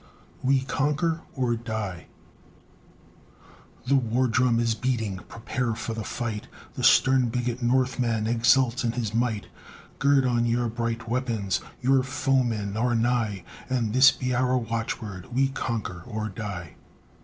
"WE CONQUER OR DIE" The war drum is beating, prepare for the fight, The stern bigot Northman exults in his might; Gird on your bright weapons, your foemen are nigh, And this be our watchword, "We conquer or die."